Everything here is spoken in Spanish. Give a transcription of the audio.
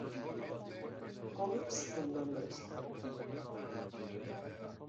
Comics" en Londres.